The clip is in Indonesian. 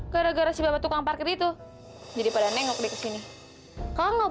kok gak dirawat di rumah sakit sih